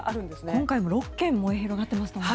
今回も６軒燃え広がっていましたもんね。